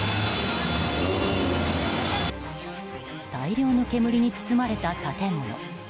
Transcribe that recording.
大量の煙に包まれた建物。